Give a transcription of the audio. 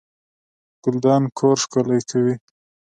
ګلدان کور ښکلی کوي